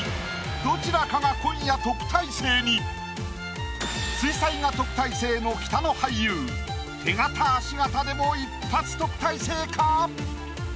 どちらかが水彩画特待生の北野俳優手形足形でも一発特待生か？